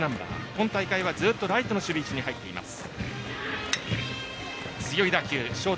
今大会はずっとライトの守備位置に入っています。